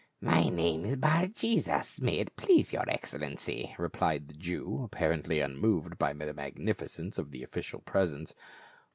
" My name is Bar jesus, may it please your excel lency," replied the Jew, apparently unmoved by the magnificence of the official presence.